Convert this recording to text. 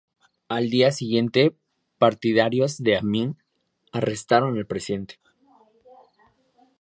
Al día siguiente, partidarios de Amín arrestaron al Presidente.